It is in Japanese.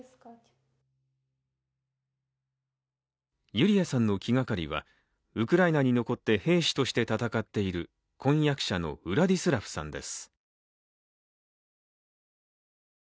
ユリアさんの気がかりはウクライナに残って兵士として戦っている婚約者のウラディスラフさんです。